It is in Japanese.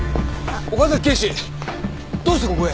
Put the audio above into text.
岡崎警視どうしてここへ？